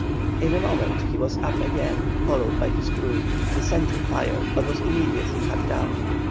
In a moment he was up again, followed by his crew. The sentry fired, but was immediately cut down.